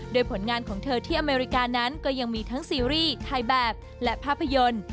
โดยผลงานของเธอที่อเมริกานั้นก็ยังมีทั้งซีรีส์ถ่ายแบบและภาพยนตร์